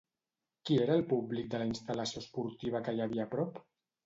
Qui era el públic de la instal·lació esportiva que hi havia a prop?